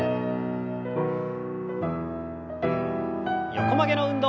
横曲げの運動。